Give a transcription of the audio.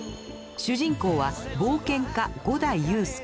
主人公は冒険家五代雄介。